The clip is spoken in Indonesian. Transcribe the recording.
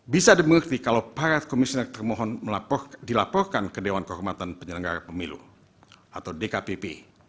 bisa dimengerti kalau para komisioner termohon dilaporkan ke dewan kehormatan penyelenggara pemilu atau dkpp